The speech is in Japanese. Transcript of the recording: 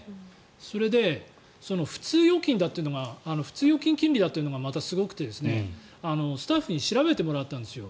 それで普通預金金利だというのがまたすごくてスタッフに調べてもらったんですよ。